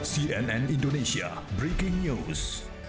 cnn indonesia breaking news